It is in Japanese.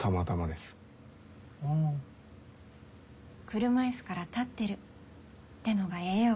車椅子から立ってるってのがええよ。